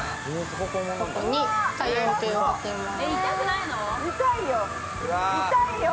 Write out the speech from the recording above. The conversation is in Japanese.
ここに体温計を挿します。